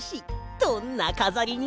どんなかざりにする？